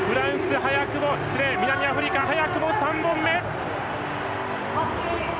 南アフリカ、早くも３本目。